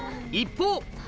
一方。